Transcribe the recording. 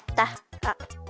あっ。